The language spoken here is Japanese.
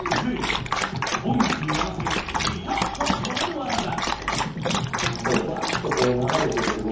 音楽に合わせビタッと止める技だ。